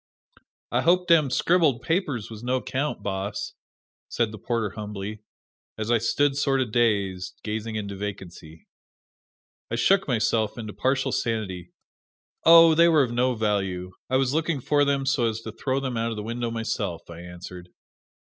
"I hope dem scribbled papers was no 'count, boss!" said the porter humbly, as I stood sort of dazed, gazing into vacancy. I shook myself into partial sanity. "Oh, they were of no value I was looking for them so as to throw them out of the window myself," I answered.